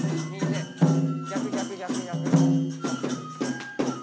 逆逆逆逆。